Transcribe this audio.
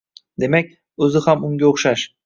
Demak, o'zi ham unga o'xshash.